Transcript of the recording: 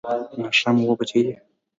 ماښام اووه بجې دي